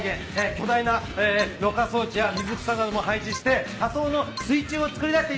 巨大なろ過装置や水草なども配置して仮想の水中をつくり出しています。